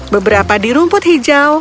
beberapa di rumput hijau